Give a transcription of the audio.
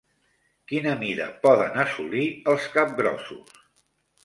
Quina mida poden assolir els capgrossos?